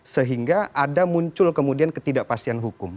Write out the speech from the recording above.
sehingga ada muncul kemudian ketidakpastian hukum